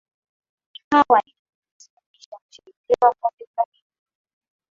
likawa ni lenye kusababisha kuchelewa kwa fedha hizo